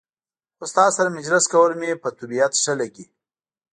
خو ستا سره مجلس کول مې په طبیعت ښه لګي.